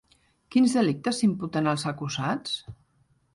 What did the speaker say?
Quins delictes s'imputen als acusats?